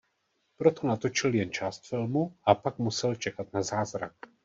Proto natočil jen část filmu a pak musel čekat na zázrak.